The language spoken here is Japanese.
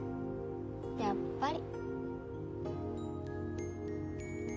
やっぱり。